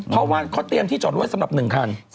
เพราะว่าเขาเตรียมที่จอดไว้สำหรับ๑คัน